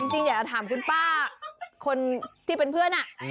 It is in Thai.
จริงอยากจะถามคุณป้าคนที่เป็นเพื่อน